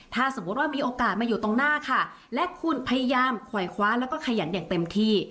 ถ้าสมมุติว่ามีโอกาสมาอยู่ตรงหน้าค่ะและคุณพยายามขวายคว้าแล้วก็ขยันอย่างเต็มที่